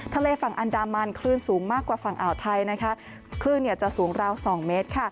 ทะเลฝั่งอันดามันคลื่นสูงมากกว่าฝั่งอ่าวไทยคลื่นจะสูงราว๒เมตร